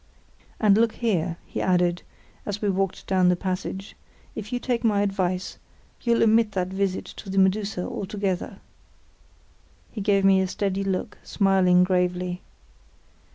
"And look here," he added, as we walked down the passage, "if you take my advice, you'll omit that visit to the Medusa altogether." He gave me a steady look, smiling gravely.